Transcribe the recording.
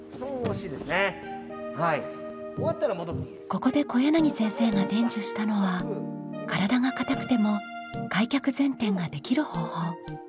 ここで小柳先生が伝授したのは体が硬くても開脚前転ができる方法。